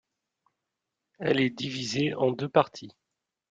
Elle est divisée en deux parties.